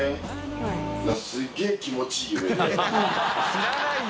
知らないよ！